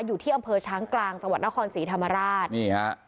อยู่ที่อำเภอช้างกลางจังหวัดนครศรีธรรมราชนี่ฮะ